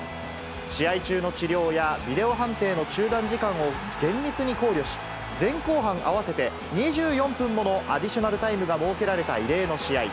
試合中の治療や、ビデオ判定の中断時間を厳密に考慮し、前後半合わせて２４分ものアディショナルタイムが設けられた異例の試合。